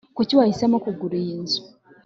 kuki wahisemo kugura iyi nzu